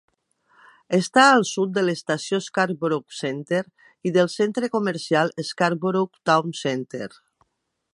Està al sud de l'estació Scarborough Centre i del centre comercial Scarborough Town Centre.